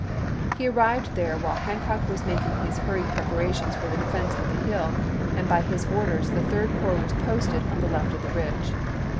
He arrived there while Hancock p 296 was making his hurried preparations for the defense juiy 1, i863. of the hill, and by his orders the Third Corps was posted on the left of the ridge.